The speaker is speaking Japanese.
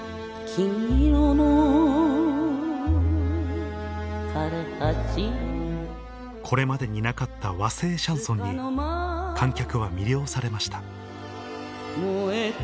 金色の枯葉散るこれまでになかった和製シャンソンに観客は魅了されました